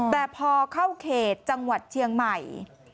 แต่พอเข้าเขตจังหวัดเชียงใหม่